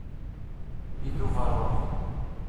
Idub rruḥ!